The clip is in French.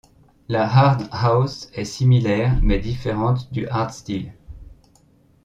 La hard house est similaire mais différente du hardstyle.